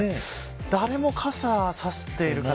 誰も傘を差している方